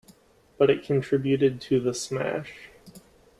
But it contributed to the smash.